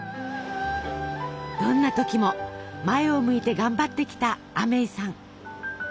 どんな時も前を向いて頑張ってきたアメイさん。